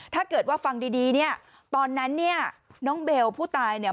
ถ้าเกิดว่าฟังดีดีเนี่ยตอนนั้นเนี่ยน้องเบลผู้ตายเนี่ย